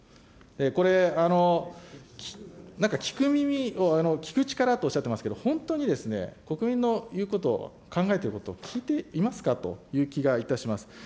これ、なんか聞く耳を、聞く力とおっしゃってますけれども、本当に国民の言うことを考えていることを聞いていますかという気がいたします。